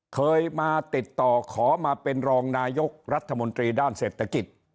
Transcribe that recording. เคยมาติดต่อขอมาเป็นรองนายกรัฐมนตรีด้านเศรษฐกิจ